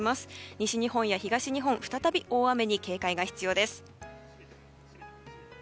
西日本や東日本再び大雨に警戒が必要です。